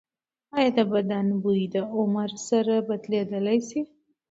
ایا د بدن بوی د عمر سره بدلیدلی شي؟